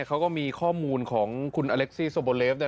เขาก็มีข้อมูลของคุณอเล็กซี่โซโบเลฟ